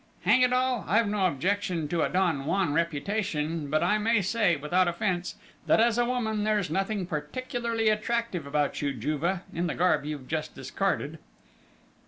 "Hang it all! I've no objection to a Don Juan reputation, but I may say, without offence, that, as a woman, there's nothing particularly attractive about you, Juve, in the garb you've just discarded!"